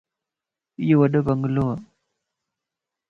ايو وڏو بنگلوَ